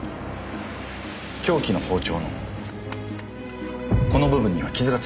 凶器の包丁のこの部分には傷がついていました。